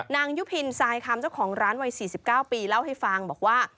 ยุพินทรายคำเจ้าของร้านวัย๔๙ปีเล่าให้ฟังบอกว่า